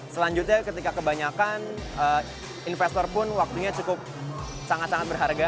selanjutnya ketika kebanyakan investor pun waktunya cukup sangat sangat berharga